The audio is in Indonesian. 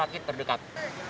atau sakit terdekat